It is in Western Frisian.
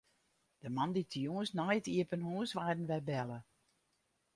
De moandeitejûns nei it iepen hús waarden wy belle.